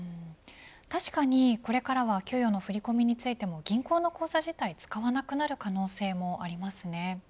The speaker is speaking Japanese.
確かにこれから給与の振り込みについても銀行の口座自体使わなくなる可能性もありますね。